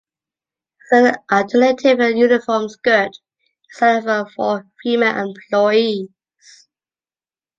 As an alternative, a uniform skirt is available for female employees.